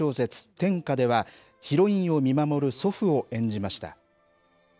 天花ではヒロインを見守る祖父を演じました。